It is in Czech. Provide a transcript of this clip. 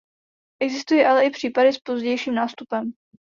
Existují ale i případy s pozdějším nástupem.